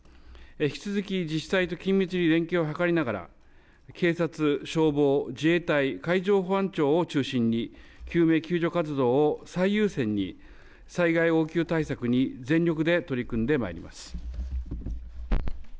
引き続き自治体と緊密に連携を図りながら警察、消防、自衛隊、海上保安庁を中心に救命救助活動を最優先に災害応急対策に全力で取り組んでまいります。